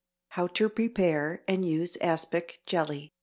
HOW TO PREPARE AND USE ASPIC JELLY.